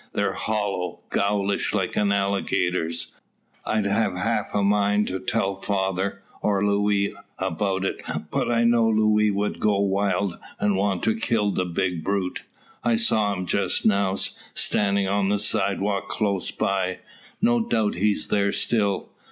They're hollow, gowlish like an alligator's. I'd half a mind to tell father, or Luis, about it; but I know Luis would go wild, and want to kill the big brute. I saw him just now, standing on the side walk close by. No doubt he's there still."